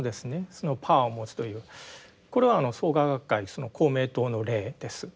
そのパワーを持つというこれはあの創価学会公明党の例です。